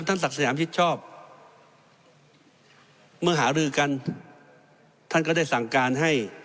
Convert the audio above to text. ศักดิ์สยามชิดชอบเมื่อหารือกันท่านก็ได้สั่งการให้